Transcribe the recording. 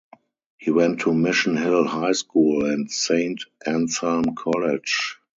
He went to Mission Hill High School and Saint Anselm College.